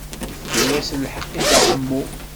Yefka-as lḥeqq i Dda Ḥemmu.